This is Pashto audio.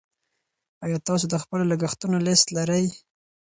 ایا تاسو د خپلو لګښتونو لیست لرئ.